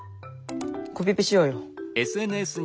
コピペしようよ。